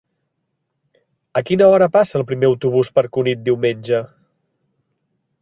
A quina hora passa el primer autobús per Cunit diumenge?